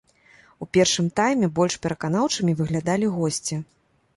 У першым тайме больш пераканаўчымі выглядалі госці.